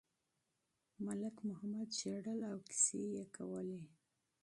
ملک محمد ژړل او کیسې یې کولې.